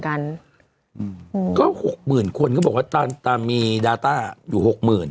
คือคือคือคือคือคือคือคือคือ